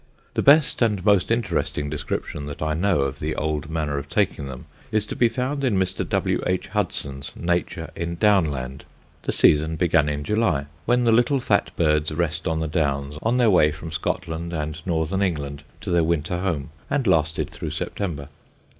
The best and most interesting description that I know of the old manner of taking them, is to be found in Mr. W. H. Hudson's Nature in Downland. The season began in July, when the little fat birds rest on the Downs on their way from Scotland and northern England to their winter home, and lasted through September.